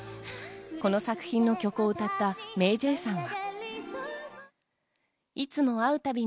この作品の曲を歌ったＭａｙＪ．さんは。